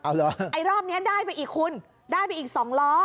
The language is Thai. เอาเหรอไอ้รอบนี้ได้ไปอีกคุณได้ไปอีกสองล้อ